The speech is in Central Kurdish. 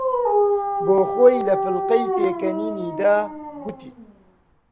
بۆ خۆی لە فڵقەی پێکەنینی دا، گوتی: